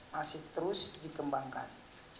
masih terus dikembangkan